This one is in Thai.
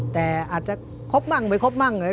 แต่อาจจะครบมั่งไม่ครบมั่ง